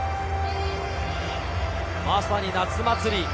まさに夏祭り。